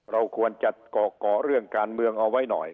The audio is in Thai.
เราควรจะเกาะเรื่องการเมืองเอาไว้หน่อย